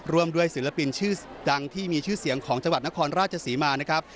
ร่วมด้วยศิลปินชื่อดังที่มีชื่อเสียงของจังหวัดนครราชศรีมานะครับ